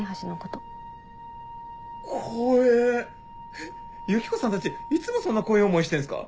えっユキコさんたちいつもそんな怖えぇ思いしてんすか？